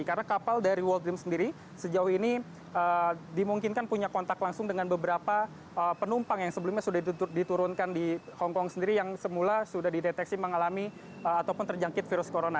karena kapal dari world dream sendiri sejauh ini dimungkinkan punya kontak langsung dengan beberapa penumpang yang sebelumnya sudah diturunkan di hong kong sendiri yang semula sudah dideteksi mengalami ataupun terjangkit virus corona